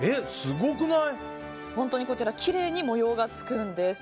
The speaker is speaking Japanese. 本当にこちらきれいに模様がつくんです。